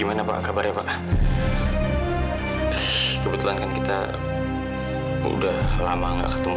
mungkin aku lebih aneh non